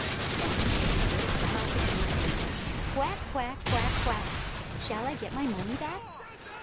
Then Drakesbill set off again, singing, "Quack, quack! Quack, quack! Shall I get my money back?"